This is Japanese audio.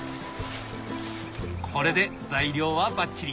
これで材料はバッチリ！